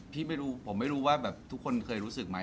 ผมไม่รู้ว่าทุกคนเคยรู้สึกมั้ย